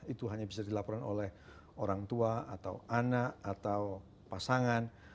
itu hanya bisa dilaporkan oleh orang tua atau anak atau pasangan